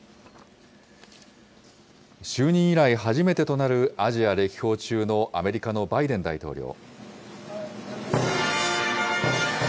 就任以来初めてとなるアジア歴訪中のアメリカのバイデン大統領。